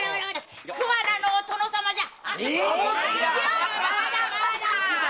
『桑名のお殿様』じゃ！